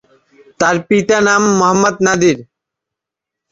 তার পিতা নাম "মোহাম্মদ নাদির"।